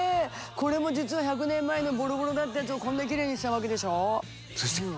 これも実は１００年前のボロボロだったやつをこんなきれいにしたわけでしょ。